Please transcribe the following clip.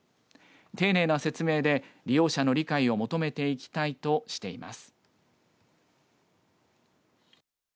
丁寧な説明で利用者の理解を求めていきたいとしています。